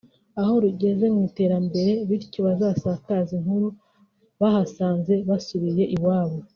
aho rugeze mu iterambere bityo bazasakaze inkuru bahasanze basubiye iwabo